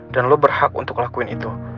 dan lo berhak untuk lakuin itu